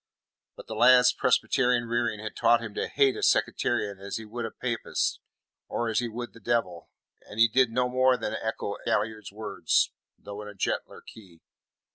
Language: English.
But the lad's Presbyterian rearing had taught him to hate a sectarian as he would a papist or as he would the devil, and he did no more than echo Galliard's words though in a gentler key.